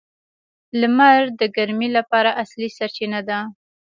• لمر د ګرمۍ لپاره اصلي سرچینه ده.